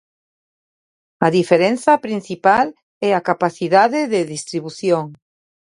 A diferenza principal é a capacidade de distribución.